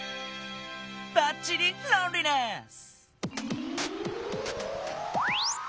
ばっちりロンリネス！